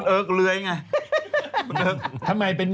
เอิ๊กภูมิพอร์น